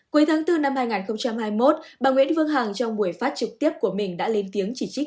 cuối tháng bốn năm hai nghìn hai mươi một bà nguyễn vương hằng trong buổi phát trực tiếp của mình đã lên tiếng chỉ trích